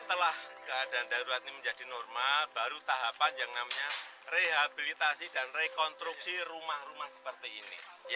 setelah keadaan darurat ini menjadi normal baru tahapan yang namanya rehabilitasi dan rekonstruksi rumah rumah seperti ini